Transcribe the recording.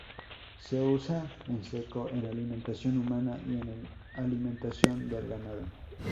Se usa en seco en alimentación humana, y en alimentación del ganado.